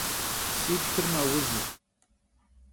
Si txır meuz.